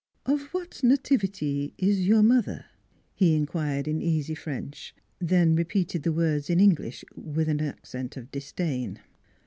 "Of what nativity is your mother?" he in quired in easy French. Then repeated the words in English, with an accent of disdain.